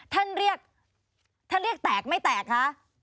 ท่านเรียกท่านเรียกแตกไม่แตกคะ